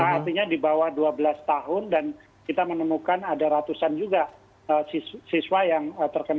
artinya di bawah dua belas tahun dan kita menemukan ada ratusan juga siswa yang terkena